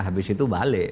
habis itu balik